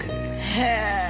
へえ！